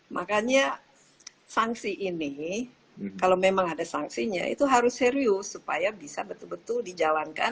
makanya sanksi ini kalau memang ada sanksinya itu harus serius supaya bisa betul betul dijalankan